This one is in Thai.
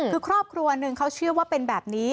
คือครอบครัวหนึ่งเขาเชื่อว่าเป็นแบบนี้